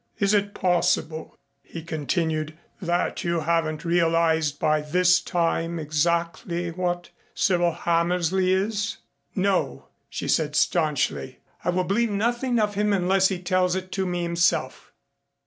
"Is it possible," he continued, "that you haven't realized by this time exactly what Cyril Hammersley is?" "No," she said staunchly. "I will believe nothing of him unless he tells it to me himself."